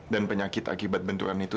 dan penyakit akibat benturan itu